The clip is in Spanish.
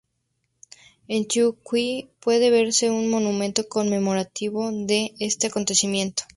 En Town Quay puede verse un monumento conmemorativo de este acontecimiento.